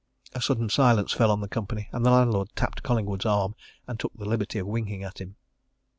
A sudden silence fell on the company, and the landlord tapped Collingwood's arm and took the liberty of winking at him.